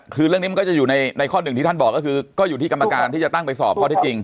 คือเรื่องนี้มันก็จะอยู่ในข้อหนึ่งที่ท่านบอกก็คือก็อยู่ที่กรรมการที่จะตั้งไปสอบข้อที่จริง